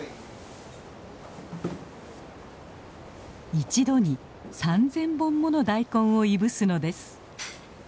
一度に３，０００本もの大根をいぶすのです。